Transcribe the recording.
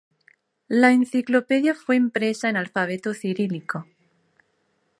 La enciclopedia fue impresa en alfabeto cirílico.